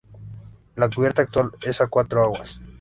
La cubierta actual es a cuatro aguas.